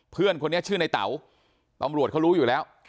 เพื่อนคนนี้ชื่อในเต๋าตำรวจเขารู้อยู่แล้ว